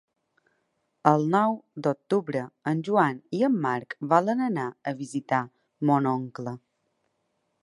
El nou d'octubre en Joan i en Marc volen anar a visitar mon oncle.